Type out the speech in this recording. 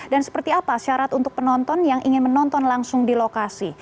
dan seperti apa syarat untuk penonton yang ingin menonton langsung di lokasi